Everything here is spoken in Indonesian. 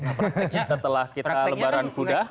nah prakteknya setelah kita lebaran kuda